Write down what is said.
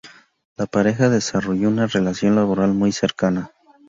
La pareja desarrolló una relación laboral muy cercana.